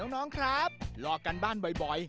น้องครับหลอกกันบ้านบ่อย